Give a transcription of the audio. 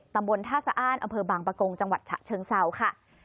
ตำบลท่าสะอ้านอำเภอบางประกงจังหวัดฉะเชิงเศร้าค่ะ